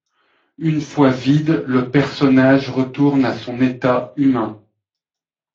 Une fois vide le personnage retourne a son état humain.